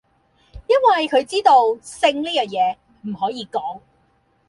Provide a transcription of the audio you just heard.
因為佢知道，性呢樣野，唔可以講!